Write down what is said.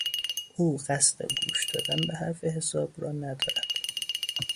او قصد گوش دادن به حرف حساب را ندارد.